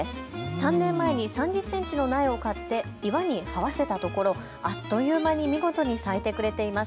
３年前に３０センチの苗を買って岩にはわせたところ、あっという間に見事に咲いてくれています。